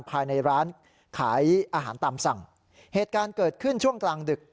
ภายในร้านขายอาหารตามสั่งเหตุการณ์เกิดขึ้นช่วงกลางดึก